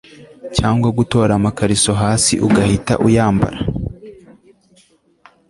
cyangwa gutora amakariso hasi ugahita uyambara